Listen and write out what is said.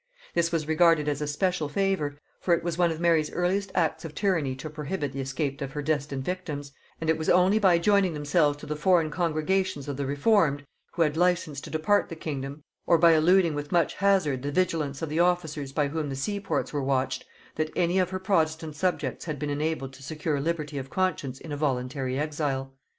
This was regarded as a special favor; for it was one of Mary's earliest acts of tyranny to prohibit the escape of her destined victims, and it was only by joining themselves to the foreign congregations of the reformed, who had license to depart the kingdom, or by eluding with much hazard the vigilance of the officers by whom the seaports were watched, that any of her protestant subjects had been enabled to secure liberty of conscience in a voluntary exile.